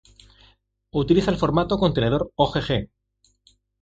Utiliza el formato contenedor Ogg.